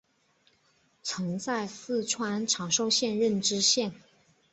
曾在四川长寿县任知县。